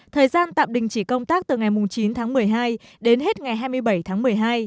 thời gian tạm đình chỉ công tác từ ngày chín tháng một mươi hai đến hết ngày hai mươi bảy tháng một mươi hai